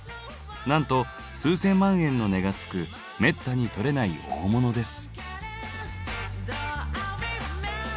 なんと数千万円の値がつくめったに採れない大物です。